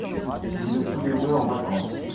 vous êtes tous les deux en vacances.